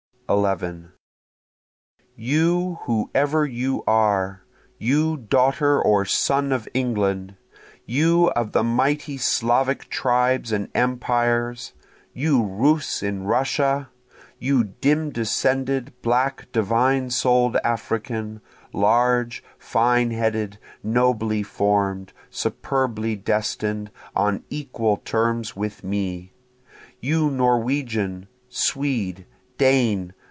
11 You whoever you are! You daughter or son of England! You of the mighty Slavic tribes and empires! you Russ in Russia! You dim descended, black, divine soul'd African, large, fine headed, nobly form'd, superbly destin'd, on equal terms with me! You Norwegian! Swede! Dane!